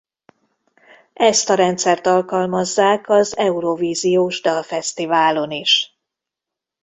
Ezt a rendszert alkalmazzák az Eurovíziós Dalfesztiválon is.